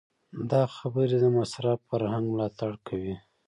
دا خبرې د مصرف فرهنګ ملاتړ کوي.